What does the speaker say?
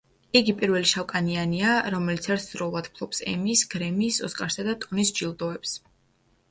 იგი პირველი შავკანიანია, რომელიც ერთდროულად ფლობს ემის, გრემის, ოსკარსა და ტონის ჯილდოებს.